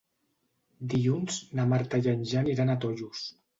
Dilluns na Marta i en Jan iran a Tollos.